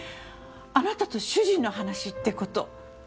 あなたと主人の話って事。